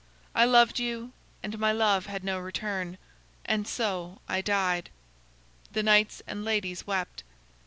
I loved you, and my love had no return, and so I died." The knights and ladies wept.